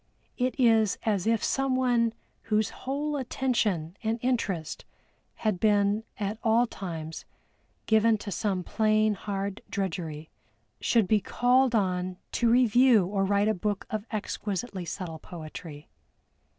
It is as if someone whose whole attention and interest had been at all times given to some plain hard drudgery, should be called on to review or write a book of exquisitely subtle poetry.